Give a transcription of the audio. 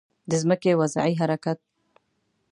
د ځمکې وضعي حرکت